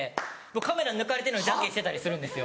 カメラ抜かれてんのにジャンケンしてたりするんですよ。